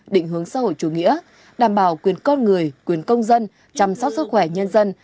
định hướng xã hội chủ nghĩa đảm bảo quyền con người quyền công dân chăm sóc sức khỏe nhân dân